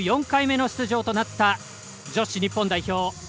４回目の出場となった女子日本代表。